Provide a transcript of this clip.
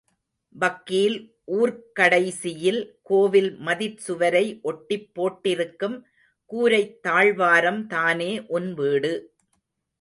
வக்கீல் ஊர்க்கடைசியில் கோவில் மதிற்சுவரை ஒட்டிப் போட்டிருக்கும் கூரைத் தாழ்வாரம் தானே உன் வீடு.